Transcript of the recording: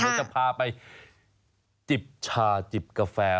เราจะพาไปจิบชาจิบกาแฟ